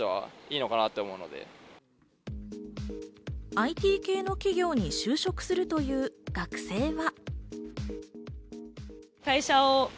ＩＴ系の企業に就職するという学生は。